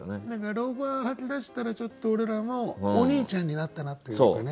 ローファー履きだしたらちょっと俺らもおにいちゃんになったなっていうかね。